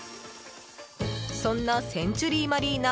そんなセンチュリーマリーナ